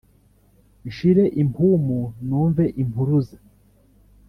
Nshire impumu numve Impuruza